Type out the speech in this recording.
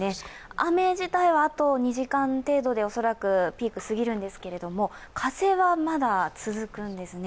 雨自体はあと２時間程度でピークが過ぎるんですけど風はまだ続くんですね。